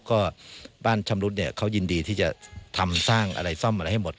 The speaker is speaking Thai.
ก็บ้านชำรุดเนี่ยเขายินดีที่จะทำสร้างอะไรซ่อมอะไรให้หมด